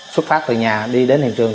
xuất phát từ nhà đi đến hiện trường